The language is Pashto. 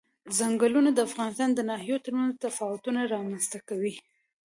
ځنګلونه د افغانستان د ناحیو ترمنځ تفاوتونه رامنځ ته کوي.